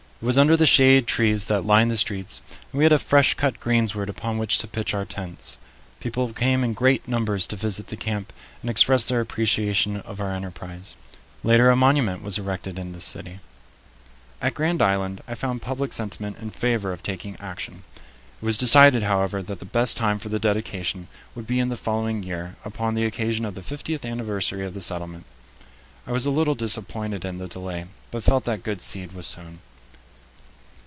It was under the shade trees that line the streets, and we had a fresh cut greensward upon which to pitch our tents. People came in great numbers to visit the camp and express their appreciation of our enterprise. Later a monument was erected in this city. [Illustration: Brown Bros. In the corn lands of Nebraska.] At Grand Island I found public sentiment in favor of taking action. It was decided, however, that the best time for the dedication would be in the following year, upon the occasion of the fiftieth anniversary of the settlement. I was a little disappointed in the delay, but felt that good seed was sown.